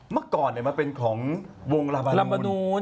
เมื่อก่อนมันเป็นของวงราบาล